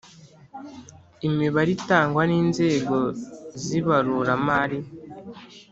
imibare itangwa ninzego zibarura mari